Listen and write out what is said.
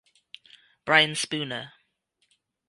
Brian Spooner.